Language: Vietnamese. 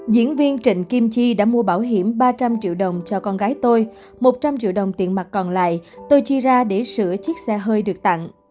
diễn viên trịnh kim chi đã mua bảo hiểm ba trăm linh triệu đồng cho con gái tôi một trăm linh triệu đồng tiền mặt còn lại tôi chi ra để sửa chiếc xe hơi được tặng